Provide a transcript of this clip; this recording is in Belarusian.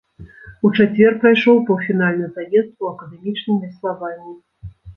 У чацвер прайшоў паўфінальны заезд у акадэмічным веславанні.